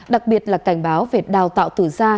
đặc biệt là cảnh báo về đào tạo thử gia